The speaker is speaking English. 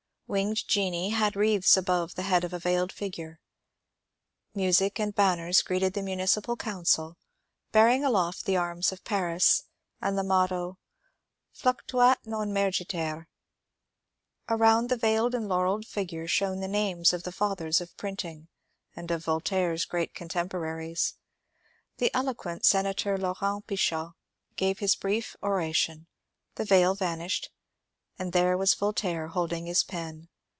Winged genii held wreaths above the head of a veiled figure. Music and ban ners gpreeted the Municipal Council, bearing aloft the arms of Paris and the motto: ^^ Flitctuat non mergiter. Around the veiled and laurelled figure shone the names of the fathers of printing and of Yoltaire^s great contemporaries. The elo quent Senator Laurent Pichat gave his brief oration, the veil vanished, and there was Voltaire holding his pen.